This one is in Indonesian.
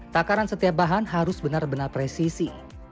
takaran setiap bahan harus benar benar presisi